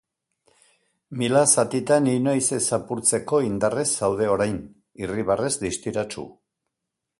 Mila zatitan inoiz ez apurtzeko, indarrez zaude orain, irribarrez distiratsu.